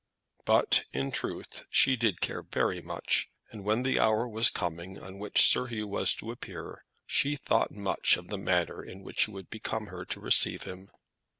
But, in truth, she did care very much, and when the hour was coming on which Sir Hugh was to appear, she thought much of the manner in which it would become her to receive him.